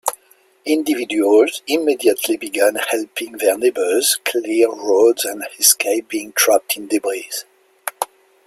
Individuals immediately began helping their neighbors clear roads and escape being trapped in debris.